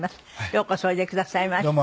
ようこそおいでくださいました。